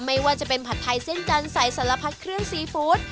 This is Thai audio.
ไม่ว่าจะเป็นผัดไทยเส้นจันทร์ใสสารพัดเครื่องซีฟู้ด